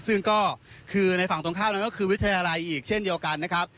ซึ่งก็คือในฝั่งตรงข้ามนั้นก็คือวิทยาลัยอีกเช่นเดียวกันนะครับ